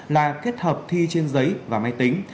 là kết hợp thi trên giấy và máy tính